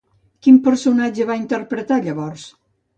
Quin personatge va interpretar llavors?